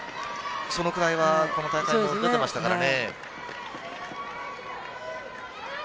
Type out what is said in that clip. そのくらいはこの大会も出てましたからね。